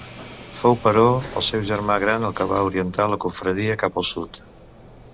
Fou però el seu germà gran el que va orientar la confraria cap al sud.